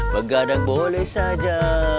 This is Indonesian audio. begadang boleh saja